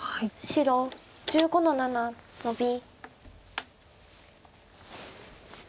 白１５の七ノビ。